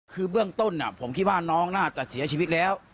คือเบื้องต้นผมคิดว่าน้องน่าจะเสียชีวิตแล้ว